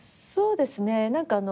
そうですね。